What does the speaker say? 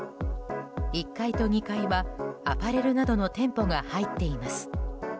１階と２階は、アパレルなどの店舗が入っています。